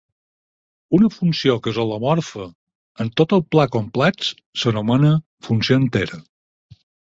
Una funció que és holomorfa en tot el pla complex s'anomena funció entera.